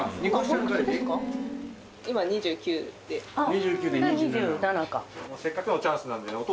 ２９で２７。